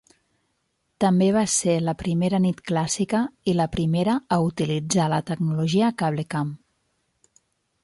També va ser la primera nit clàssica i la primera a utilitzar la tecnologia "CableCam".